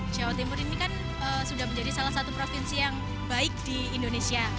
jawa timur ini kan sudah menjadi salah satu provinsi yang baik di indonesia